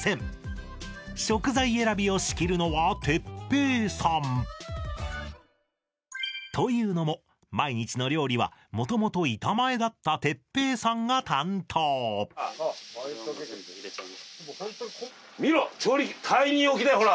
食材選びを仕切るのは哲平さんというのも毎日の料理は元々板前だった哲平さんが担当見ろタイニー置きだよほら。